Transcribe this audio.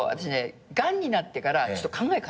がんになってからちょっと考え変えたの。